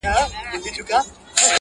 تاته سلام په دواړو لاسو كوم؛